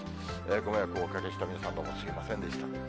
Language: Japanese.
ご迷惑をおかけした皆さん、どうもすみませんでした。